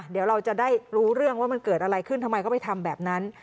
เดี๋ยวเราจะได้รู้เรื่องว่ามันเกิดอะไรขึ้นทำไมเขาไปทำแบบนั้น